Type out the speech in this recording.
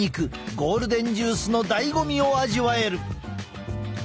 ゴールデンジュースのだいご味を味わえる！